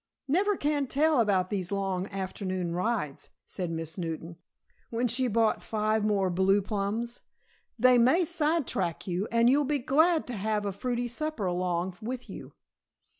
"Never can tell about these long afternoon rides," said Miss Newton, when she bought five more blue plums. "They may side track you and you'll be glad to have a fruity supper along with you."